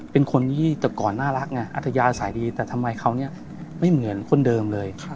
เป็นคนที่แต่ก่อนน่ารักไงอัธยาสายดีแต่ทำไมเขาเนี่ยไม่เหมือนคนเดิมเลย